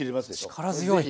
力強い。